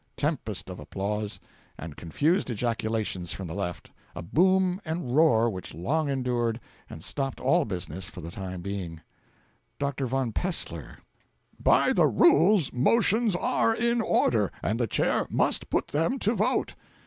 (Tempest of applause and confused ejaculations from the Left a boom and roar which long endured, and stopped all business for the time being.) Dr. von Pessler. 'By the Rules motions are in order, and the Chair must put them to vote.'